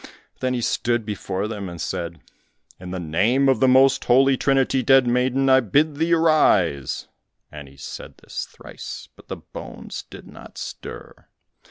Then he stood before them and said, "In the name of the most holy Trinity, dead maiden, I bid thee arise," and he said this thrice, but the bones did not stir.